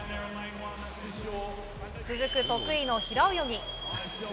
続く得意の平泳ぎ